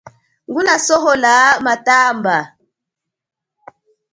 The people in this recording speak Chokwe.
Nguna sohola matamba.